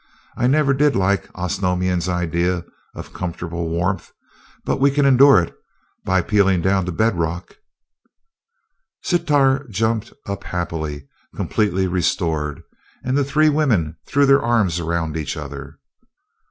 I never did like Osnomian ideas of comfortable warmth, but we can endure it by peeling down to bedrock "Sitar jumped up happily, completely restored, and the three women threw their arms around each other.